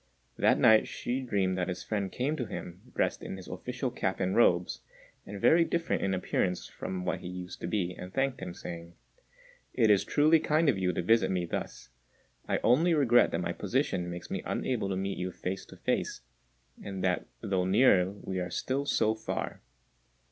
That night Hsü dreamed that his friend came to him, dressed in his official cap and robes, and very different in appearance from what he used to be, and thanked him, saying, "It is truly kind of you to visit me thus: I only regret that my position makes me unable to meet you face to face, and that though near we are still so far.